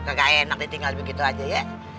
gak enak ditinggal begitu aja ya